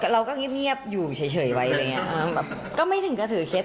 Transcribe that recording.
เราก็เงียบอยู่เฉยไว้แบบก็ไม่ถึงกระถือเคล็ด